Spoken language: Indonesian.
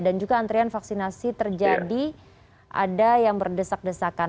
dan juga antrian vaksinasi terjadi ada yang berdesak desakan